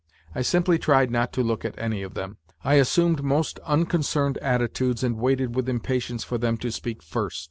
I simply tried not to look at any of them. I assumed most unconcerned attitudes and waited with impatience for them to speak first.